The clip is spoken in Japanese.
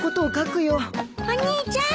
お兄ちゃん！